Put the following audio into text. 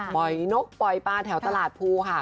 นกปล่อยปลาแถวตลาดภูค่ะ